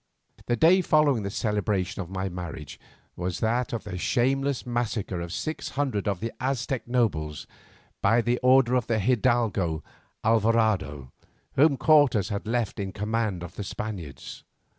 The day following the celebration of my marriage was that of the shameless massacre of six hundred of the Aztec nobles by the order of the hidalgo Alvarado, whom Cortes had left in command of the Spaniards.